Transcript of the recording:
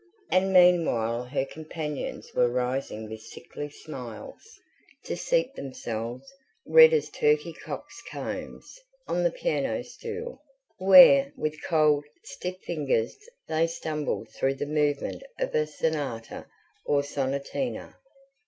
And meanwhile her companions were rising with sickly smiles, to seat themselves, red as turkey cocks' combs, on the piano stool, where with cold, stiff fingers they stumbled through the movement of a sonata or sonatina.